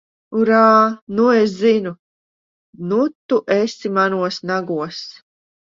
Urā! Nu es zinu! Nu tu esi manos nagos!